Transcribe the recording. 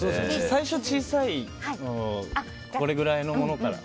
最初小さいこれぐらいのものから。